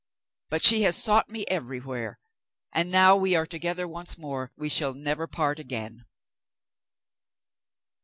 But she has sought me everywhere, and now we are together once more we shall never part again.